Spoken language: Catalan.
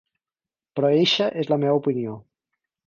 Però eixa és la meua opinió.